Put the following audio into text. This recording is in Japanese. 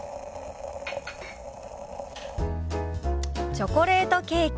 「チョコレートケーキ」。